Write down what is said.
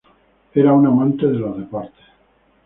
Era un amante de los deportes.